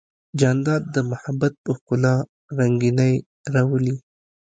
جانداد د محبت په ښکلا رنګینی راولي.